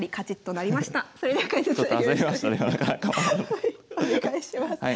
はいお願いします。